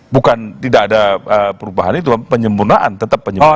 bukan tidak ada perubahan itu penyempurnaan tetap penyempurna